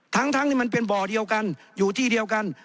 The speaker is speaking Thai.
ทั้งที่มันเป็นบ่อเดียวกันอยู่ที่เดียวกัน